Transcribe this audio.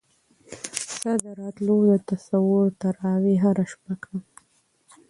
ستا د راتلو د تصور تراوېح هره شپه کړم